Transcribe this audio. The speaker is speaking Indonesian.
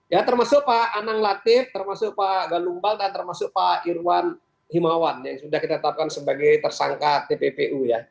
ya termasuk pak anang latif termasuk pak galumbal dan termasuk pak irwan himawan yang sudah kita tetapkan sebagai tersangka tppu ya